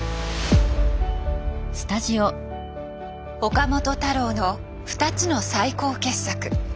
岡本太郎の２つの最高傑作。